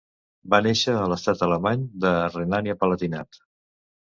Va néixer a l'estat alemany de Renània-Palatinat.